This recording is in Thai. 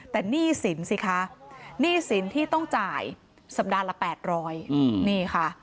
แต่หนี้สินสิคะหนี้สินที่ต้องจ่ายสัปดาห์ละ๘๐๐นี่ค่ะ